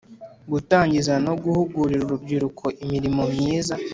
Gutangiza no guhugurira urubyiruko imirimo myiza